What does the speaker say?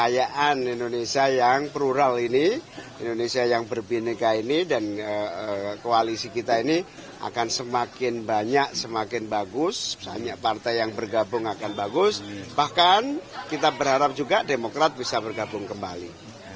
yang akan bagus bahkan kita berharap juga demokrat bisa bergabung kembali